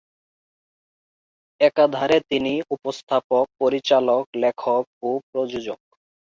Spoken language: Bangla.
একাধারে তিনি উপস্থাপক, পরিচালক, লেখক ও প্রযোজক।